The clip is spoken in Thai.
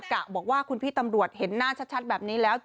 กะบอกว่าคุณพี่ตำรวจเห็นหน้าชัดแบบนี้แล้ว